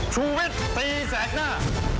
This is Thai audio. ชูวิทย์ตีแสกหน้า